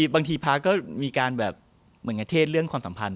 บางทีพระก็มีการเทศเรื่องความสัมพันธ์